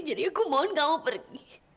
jadi aku mohon kamu pergi